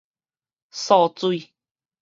燥水